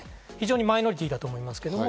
非常にマイノリティーだと思いますけど。